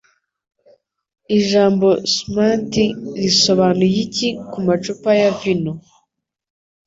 Ijambo Spumanti risobanura iki kumacupa ya vino?